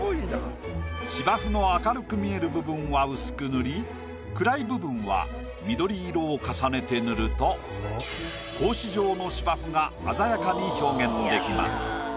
芝生の明るく見える部分は薄く塗り暗い部分は緑色を重ねて塗ると格子状の芝生が鮮やかに表現できます。